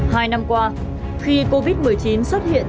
hai năm qua khi covid một mươi chín xuất hiện